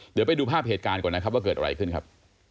เดี๋ยวไปดูภาพเหตุการณ์ก่อนนะครับว่าเกิดอะไรขึ้นครับ